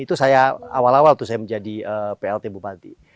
itu saya awal awal tuh saya menjadi plt bupati